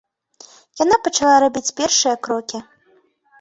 Яна пачала рабіць першыя крокі.